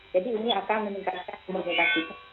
jadi ini akan meningkatkan kemurhidatasi